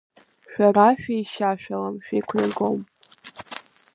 Шәара шәеишьашәалам, шәеиқәнагом.